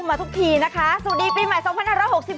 พี่ดาวม์จะเจอกับคุณผู้ชมเป็นวันสุดท้ายใช่ไหมในรอบปีนี้